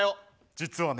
実はね